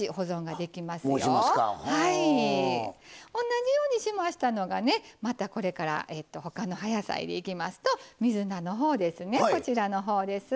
同じようにしましたのがねまたこれから他の葉野菜でいきますと水菜の方ですねこちらの方です。